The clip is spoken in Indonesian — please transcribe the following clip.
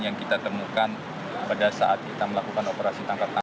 yang kita temukan pada saat kita melakukan operasi tangkap tangan